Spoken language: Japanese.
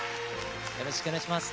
よろしくお願いします。